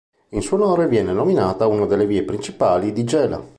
In suo onore viene nominata una delle vie principali di Gela.